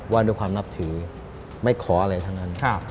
ว่าด้วยความนับถือไม่ขออะไรทั้งนั้น